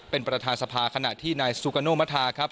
เป็นประธานสภาขณะที่นายซูกาโนมัธาครับ